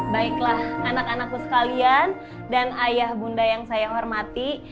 baiklah anak anakku sekalian dan ayah bunda yang saya hormati